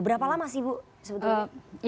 berapa lama sih bu sebetulnya